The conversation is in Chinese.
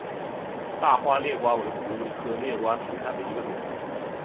大花裂瓜为葫芦科裂瓜属下的一个种。